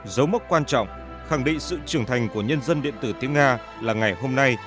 dấu mốc quan trọng khẳng định sự trưởng thành của nhân dân điện tử tiếng nga là ngày hôm nay